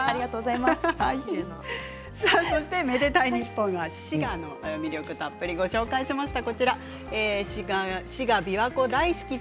「愛でたいｎｉｐｐｏｎ」は、滋賀の魅力をたっぷりご紹介しました。